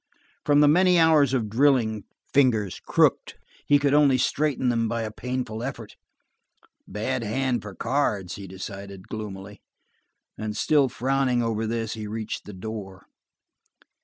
From the many hours of drilling, fingers crooked, he could only straighten them by a painful effort. A bad hand for cards, he decided gloomily, and still frowning over this he reached the door.